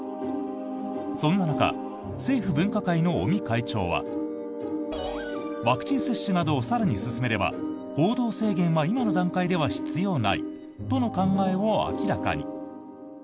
そんな中政府分科会の尾身会長はワクチン接種などを更に進めれば行動制限は今の段階では必要ないとの考えを明らかに。